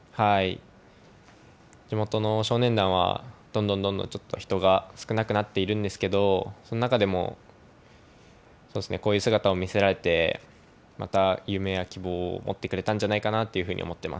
地元の少年団は、どんどんどんどんちょっと人が少なくなっているんですけど、その中でもこういう姿を見せられて、また夢や希望を持ってくれたんじ